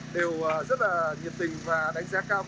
đều rất nhiệt tình và đánh giá cao